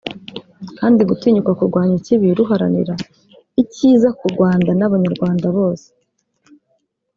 kandi gutinnyuka kurwanya ikibi ruharanira ikiza ku Rwanda n’abanyarwanda bose